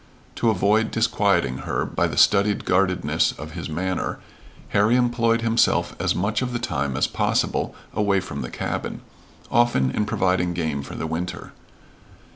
To avoid disquieting her by the studied guardedness of his manner, Harry employed himself as much of the time as possible away from the cabin, often in providing game for the winter.